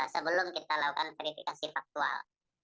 sebelum kita lakukan verifikasi faktual